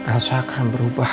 elsa akan berubah